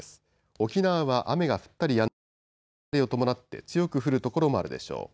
沖縄は雨が降ったりやんだりで雷を伴って強く降る所もあるでしょう。